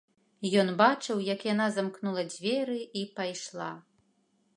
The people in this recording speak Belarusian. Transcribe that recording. Ён бачыў, як яна замкнула дзверы і пайшла.